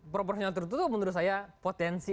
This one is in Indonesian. proporsional tertutup menurut saya potensi